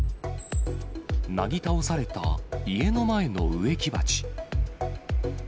なぎ倒された家の前の植木鉢。